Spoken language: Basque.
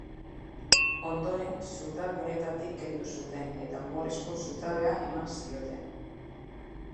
Ondoren, zutabe honetatik kendu zuten eta umorezko zutabea eman zioten.